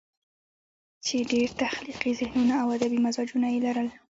چې ډېر تخليقي ذهنونه او ادبي مزاجونه ئې لرل